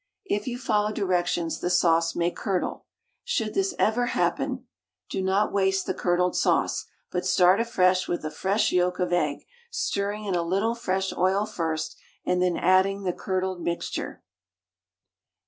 It you follow directions the sauce may curdle; should this ever happen, do not waste the curdled sauce, but start afresh with a fresh yolk of egg, stirring in a little fresh oil first, and then adding the curdled mixture.